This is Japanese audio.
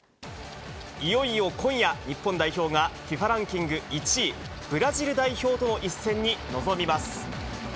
いよいよ今夜、日本代表がＦＩＦＡランキング１位、ブラジル代表との一戦に臨みます。